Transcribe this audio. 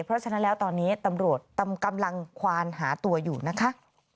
เพราะฉะนั้นแล้วตอนนี้ตำรวจกำลังควานหาตัวอยู่นะคะ